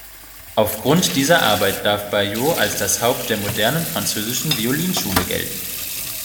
Auf Grund dieser Arbeit darf Baillot als das Haupt der modernen französischen Violinschule gelten.